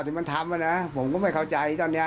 ที่มันทำนะผมก็ไม่เข้าใจตอนนี้